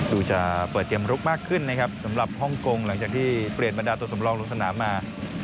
ดูจะเปิดเกมลุกมากขึ้นนะครับสำหรับฮ่องกงหลังจากที่เปลี่ยนบรรดาตัวสำรองลงสนามมา